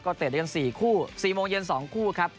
เตะด้วยกัน๔คู่๔โมงเย็น๒คู่ครับ